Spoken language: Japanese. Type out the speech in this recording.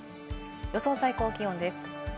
予想最高気温です。